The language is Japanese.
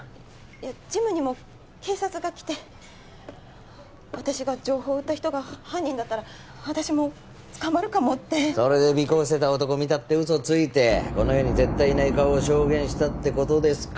いやジムにも警察が来て私が情報売った人が犯人だったら私も捕まるかもってそれで尾行してた男見たって嘘ついてこの世に絶対いない顔を証言したってことですか